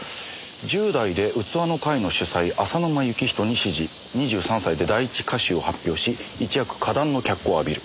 「１０代で器の会の主宰浅沼幸人に師事」「２３歳で第一歌集を発表し一躍歌壇の脚光を浴びる」